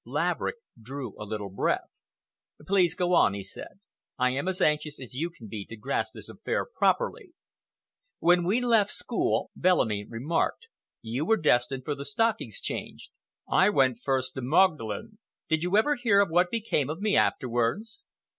Laverick drew a little breath. "Please go on," he said. "I am as anxious as you can be to grasp this affair properly." "When we left school," Bellamy remarked, "you were destined for the Stock Exchange. I went first to Magdalen. Did you ever hear what became of me afterwards?"